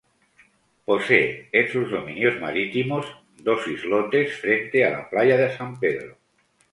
Posee en sus dominios marítimos dos islotes frente a la playa San Pedro.